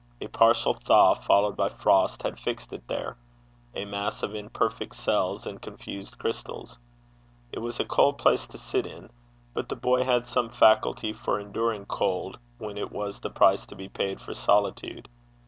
A partial thaw, followed by frost, had fixed it there a mass of imperfect cells and confused crystals. It was a cold place to sit in, but the boy had some faculty for enduring cold when it was the price to be paid for solitude.